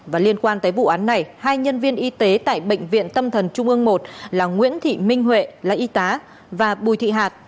và liên quan tới vụ án này hai nhân viên y tế tại bệnh viện tâm thần trung ương một là nguyễn thị minh huệ là y tá và bùi thị hạt